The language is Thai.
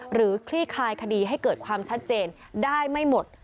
คลี่คลายคดีให้เกิดความชัดเจนได้ไม่หมด